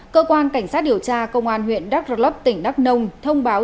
cơ quan cảnh sát điều tra công an huyện đắk rơ lấp tỉnh đắk nông thông báo